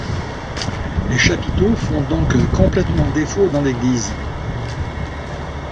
Les chapiteaux font donc complètement défaut dans l'église.